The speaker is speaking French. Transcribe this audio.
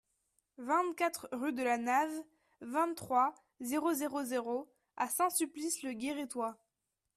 vingt-quatre rue de la Nave, vingt-trois, zéro zéro zéro à Saint-Sulpice-le-Guérétois